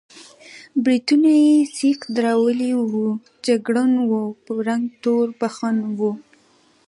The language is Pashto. برېتونه یې سېخ درولي وو، جګړن و، په رنګ تور بخون و.